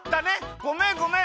ごめんごめん！